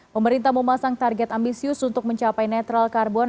pemerintah memasang target ambisius untuk mencapai netral karbon